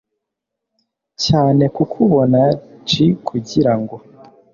cyane kukubona j kugira ngo